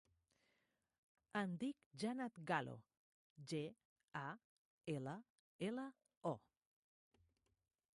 Em dic Jannat Gallo: ge, a, ela, ela, o.